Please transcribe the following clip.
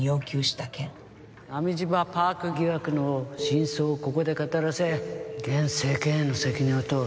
波島パーク疑惑の真相をここで語らせ現政権への責任を問う。